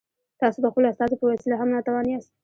تاسو د خپلو استازو په وسیله هم ناتوان یاست.